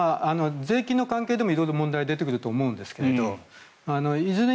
税金の関係でも色々問題は出てくると思うんですけどいずれ